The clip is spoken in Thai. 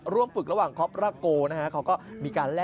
และยินดอกจากส้มตาล